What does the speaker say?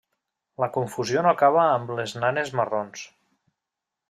La confusió no acaba amb les nanes marrons.